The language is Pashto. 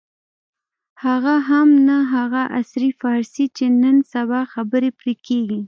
هغه هم نه هغه عصري فارسي چې نن سبا خبرې پرې کېږي.